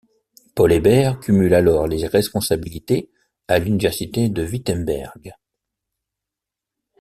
Paul Eber cumule alors les responsabilités à l'université de Wittenberg.